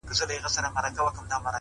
ه زه تر دې کلامه پوري پاته نه سوم،